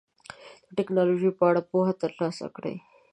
د ټکنالوژۍ په اړه پوهه ترلاسه کړئ.